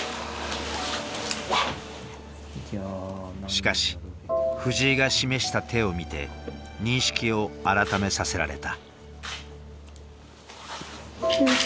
しかし藤井が示した手を見て認識を改めさせられた。